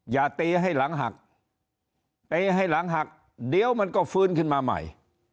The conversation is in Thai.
อย่าตีให้หลังหักตีให้หลังหักเดี๋ยวมันก็ฟื้นขึ้นมาใหม่